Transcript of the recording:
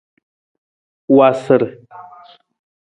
Waasar.